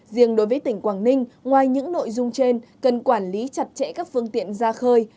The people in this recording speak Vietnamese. riêng đối với tỉnh quảng ninh ngoài những nội dung trên cần quản lý chặt chẽ các phương tiện ra khơi